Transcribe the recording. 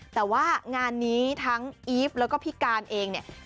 แต่ว่างานนี้ทั้งอีฟแล้วก็พี่การเองเนี่ย